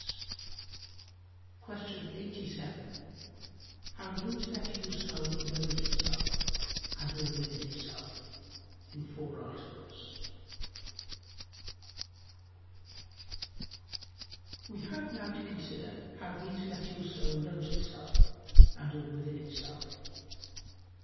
_______________________ QUESTION 87 HOW THE INTELLECTUAL SOUL KNOWS ITSELF AND ALL WITHIN ITSELF (In Four Articles) We have now to consider how the intellectual soul knows itself and all within itself.